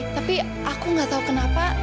tapi aku gak tau kenapa